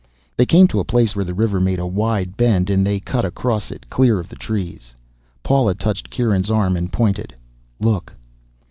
They came to a place where the river made a wide bend and they cut across it, clear of the trees. Paula touched Kieran's arm and pointed. "Look."